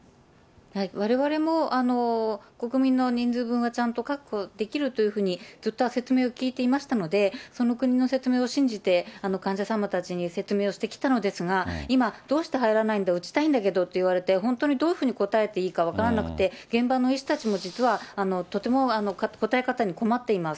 われわれも国民の人数分はちゃんと確保できるというふうにずっと説明を聞いていましたので、その国の説明を信じて、患者さんたちに説明をしてきたのですが、今、どうして入らないんだ、打ちたいんだけどと言われて、本当にどういうふうに答えていいか分からなくて、現場の医師たちも実はとても答え方に困っています。